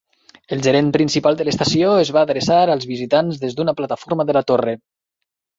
El gerent principal de l'estació es va adreçar als visitants des d'una plataforma de la torre.